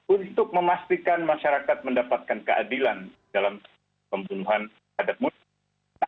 untuk memastikan masyarakat mendapatkan keadilan dalam pembunuhan terhadap munir